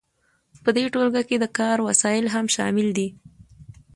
په دې ټولګه کې د کار وسایل هم شامل دي.